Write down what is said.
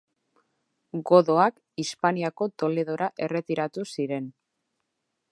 Godoak Hispaniako Toledora erretiratu ziren.